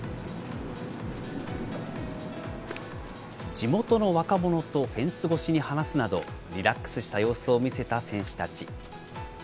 地元の若者とフェンス越しに話すなど、リラックスした様子を見せた選手たち。